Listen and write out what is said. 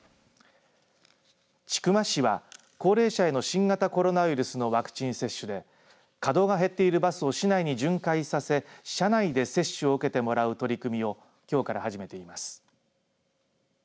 千曲市は、高齢者への新型コロナウイルスのワクチン接種で稼働が減っているバスを市内に循環させ車内で接種を受けてもらう取り組みをきょうから始めています。